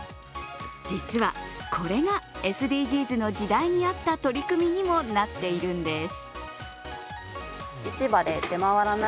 実は、これがＳＤＧｓの時代に合った取り組みにもなっているんです。